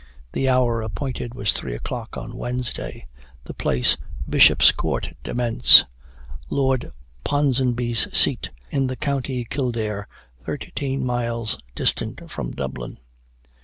The hour appointed was three o'clock on Wednesday; the place, Bishop's Court Demesne, Lord Ponsonby's seat, in the county Kildare, thirteen miles distant from Dublin.